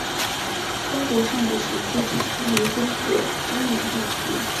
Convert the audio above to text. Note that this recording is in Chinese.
中国上古时期产生于中国中原地区。